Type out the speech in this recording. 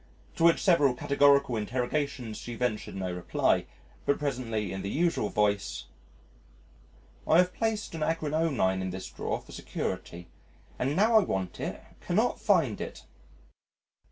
To which several categorical interrogations she ventured no reply, but presently in the usual voice, "I have placed an Agrionine in this drawer for security and, now I want it, cannot find it."